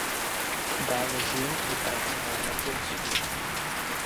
Dále žil i pracoval v Rakousku.